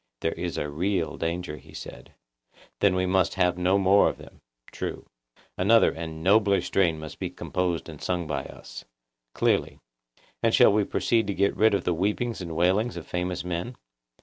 There is a real danger, he said. Then we must have no more of them. True. Another and a nobler strain must be composed and sung by us. Clearly. And shall we proceed to get rid of the weepings and wailings of famous men?